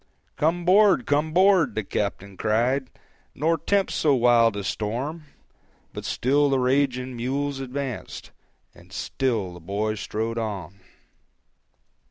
"Come 'board, come 'board," the captain cried, "Nor tempt so wild a storm;" But still the raging mules advanced, And still the boy strode on.